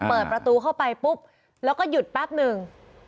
เปิดประตูเข้าไปปุ๊บแล้วก็หยุดแป๊บหนึ่ง